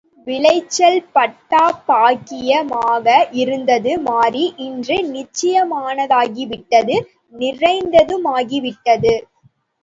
விளைச்சல் பட்டா பாக்கிய மாக இருந்தது மாறி இன்று நிச்சயமானதாகிவிட்டது நிறைந்ததுமாகிவிட்டது.